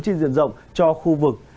trên diện rộng cho khu vực